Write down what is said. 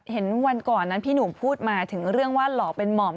เห็นวันก่อนนั้นพี่หนุ่มพูดมาถึงเรื่องว่าหล่อเป็นหม่อม